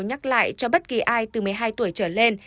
nhắc lại cho bất kỳ ai từ một mươi hai tuổi trở lên